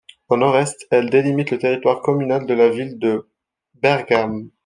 Au nord-est, elle délimite le territoire communal de la ville de Bergame.